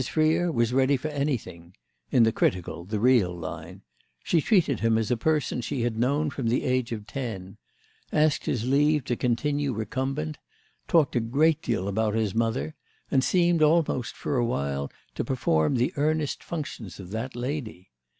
Freer was ready for anything—in the critical, the "real" line; she treated him as a person she had known from the age of ten; asked his leave to continue recumbent; talked a great deal about his mother and seemed almost, for a while, to perform the earnest functions of that lady.